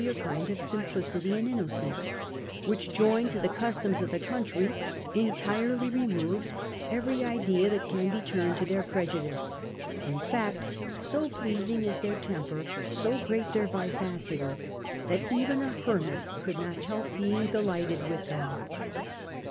ar kind of simplicity and innocence which, joined to the customs of the country, entirely removes every idea that can be turned to their prejudice. lu fact, so pleasing is their tempcir, so great their vivacity, that even a hermit could not helji being delighted with them.